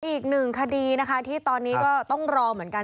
อีกหนึ่งคดีนะคะที่ตอนนี้ก็ต้องรอเหมือนกัน